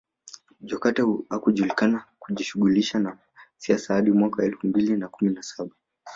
Jokate hakujulikana kujishughulisha na siasa hadi mwaka elfu mbili na kumi na saba